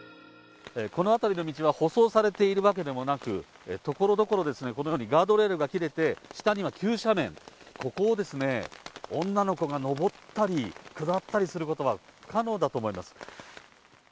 この辺りの道は舗装されているわけでもなく、ところどころ、このようにガードレールが切れて、下には急斜面、ここを女の子が上ったり下ったりすることは不可能だと思います。